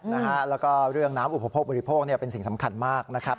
แล้วก็เรื่องน้ำอุปโภคบริโภคเป็นสิ่งสำคัญมากนะครับ